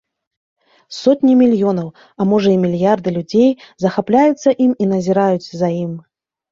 Сотні мільёнаў, а можа, і мільярды людзей захапляюцца ім і назіраюць за ім.